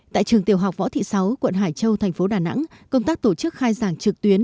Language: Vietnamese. tại trường tiểu học võ thị sáu quận hải châu thành phố đà nẵng công tác tổ chức khai giảng trực tuyến